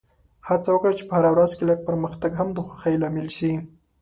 هڅه وکړه چې په هره ورځ کې لږ پرمختګ هم د خوښۍ لامل شي.